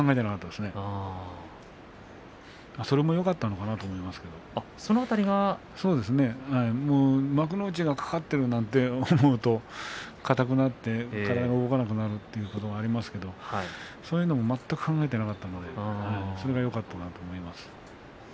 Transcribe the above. でもそれがよかったのかなと幕内がかかっているなんて思うと硬くなって体が動かなくなるということもありますしそういうのも全く考えていなかったのでそれがよかったんだと思います。